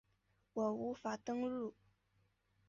我无法登入